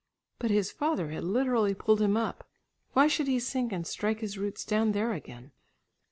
But his father had literally pulled him up, why should he sink and strike his roots down there again?